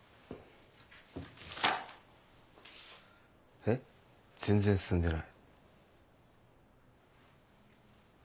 えっ全然進んでない。